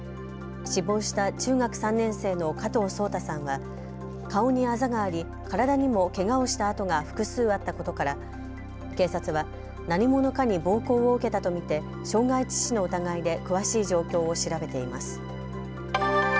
死亡した中学３年生の加藤颯太さんは顔にあざがあり体にもけがをした痕が複数あったことから警察は何者かに暴行を受けたと見て傷害致死の疑いで詳しい状況を調べています。